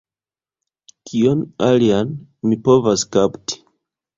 Kion alian mi povas kapti?